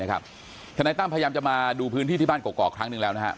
ทนายตั้มพยายามจะมาดูพื้นที่ที่บ้านกรอกครั้งหนึ่งแล้วนะครับ